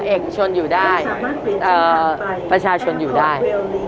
เอกชนอยู่ได้ประชาชนอยู่ได้